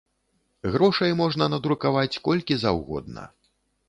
Грошай можна надрукаваць, колькі заўгодна.